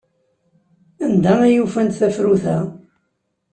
Anda ay ufant tafrut-a?